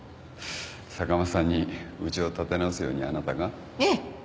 坂間さんにうちを立て直すようにあなたが？ええ。